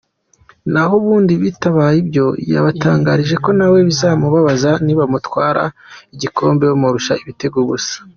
Naho ubundi bitabaye ibyo yabatangarije ko nawe bizamubabaza nibamutwara igikombe bamurusha ibitego gusa.